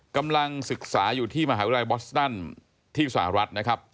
กำลังศึกษาอยู่ที่มหาวิทยาลัยบอสตันที่สหรัฐนะครับ